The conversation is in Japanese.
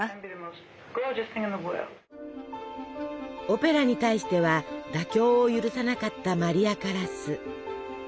オペラに対しては妥協を許さなかったマリア・カラス。